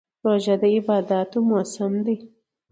روژه د عبادتونو موسم دی.